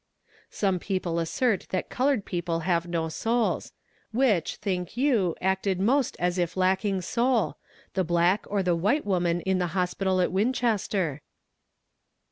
Some people assert that colored people have no souls. Which, think you, acted most as if lacking soul the black or the white woman in the hospital at Winchester?